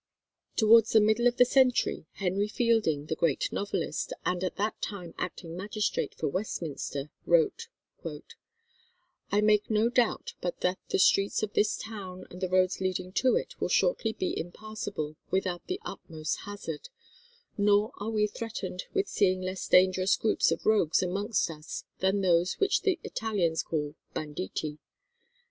Towards the middle of the century, Henry Fielding, the great novelist, and at that time acting magistrate for Westminster, wrote:[251:1] "I make no doubt but that the streets of this town and the roads leading to it will shortly be impassable without the utmost hazard; nor are we threatened with seeing less dangerous groups of rogues amongst us than those which the Italians call banditti.